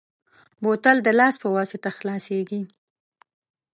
بوتل د لاس په واسطه خلاصېږي.